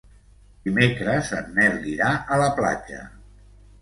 Dimecres en Nel irà a la platja.